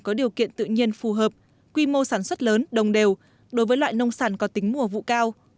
có điều kiện tự nhiên phù hợp quy mô sản xuất lớn đồng đều đối với loại nông sản có tính mùa vụ cao